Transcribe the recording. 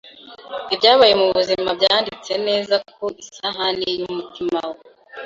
Ibyabaye mubuzima byanditse neza ku isahani yumutima we.